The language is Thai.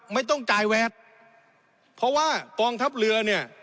ไม่ต้องจ่ายแวดเพราะว่ากองทัพเรือเนี่ย